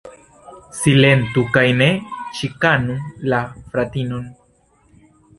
Silentu kaj ne ĉikanu la fratinon!